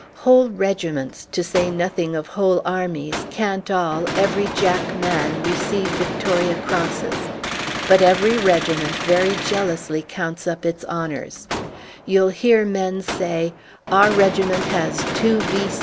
Whole regiments, to say nothing of whole armies, can't all, every jack man, receive Victoria Crosses. But every regiment very jealously counts up its honours. You'll hear men say: 'Our regiment has two V.